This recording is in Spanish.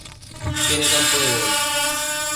Tiene campo de golf.